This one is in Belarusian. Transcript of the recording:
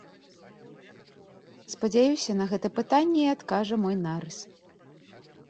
Спадзяюся, на гэта пытанне і адкажа мой нарыс.